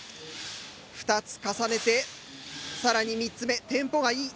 ２つ重ねて更に３つ目テンポがいい。